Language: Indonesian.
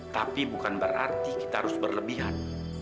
tapi bukan berarti kita harus berlebihan